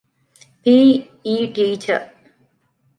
ޕީ. އީ ޓީޗަރ